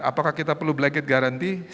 apakah kita perlu blacket guarantee